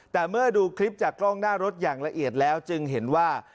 แต่เมื่อดูคลิปจากกล้องหน้ารถอย่างละเอียดแล้วจึงเห็นว่า